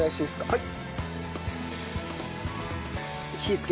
はい。